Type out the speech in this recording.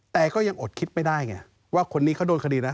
แต่ก็ยังอดคิดไม่ได้ไงว่าคนนี้เขาโดนคดีนะ